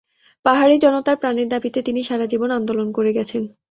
পাহাড়ি জনতার প্রাণের দাবিতে তিনি সারা জীবন আন্দোলন করে গেছেন।